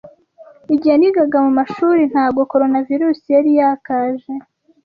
Igihe nigaga mumashuri ntgo Coronavirusi yari yakaje.